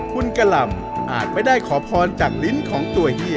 คุณกะหล่ำอาจไม่ได้ขอพรจากลิ้นของตัวเฮีย